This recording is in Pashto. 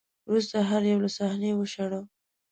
وروسته هر یو له صحنې وشاړه